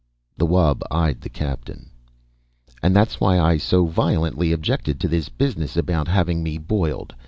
The wub eyed the Captain. "And that's why I so violently objected to this business about having me boiled.